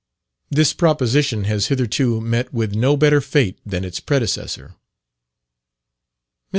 This proposition has hitherto met with no better fate than its predecessor. Mr.